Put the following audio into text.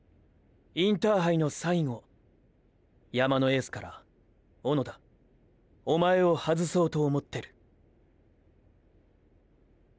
インターハイの最後山のエースから小野田おまえを外そうと思ってる。